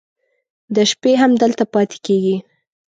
د شپې هم دلته پاتې کېږي.